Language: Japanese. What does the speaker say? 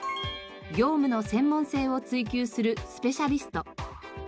業務の専門性を追求するスペシャリスト。